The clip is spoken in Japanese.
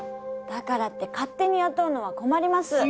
だからって勝手に雇うのは困ります！